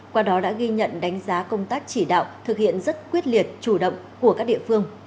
qua đó đã ghi nhận đánh giá công tác chỉ đạo thực hiện rất quyết liệt chủ động của các địa phương